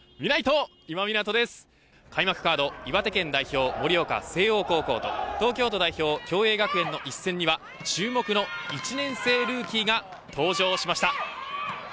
カード岩手県代表、盛岡誠桜高校と東京都代表、共栄学園の一戦には注目の１年生ルーキーが登場しました。